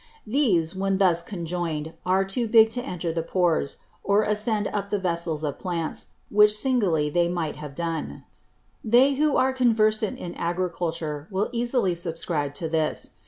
These, when thus conjoin'd, are too big to enter the Pores, or ascend up the Vessels of Plants, which singly they might have done. They who are conversant in Agriculture, will easily subscribe to this.